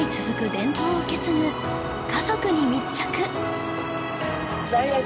伝統を受け継ぐ家族に密着